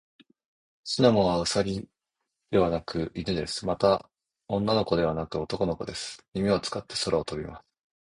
シナモンはウサギではなく犬です。また、女の子ではなく男の子です。耳を使って空を飛びます。